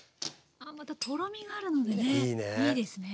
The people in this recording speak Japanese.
とろみがあるのでねいいですね。